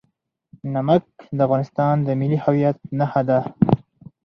نمک د افغانستان د ملي هویت نښه ده.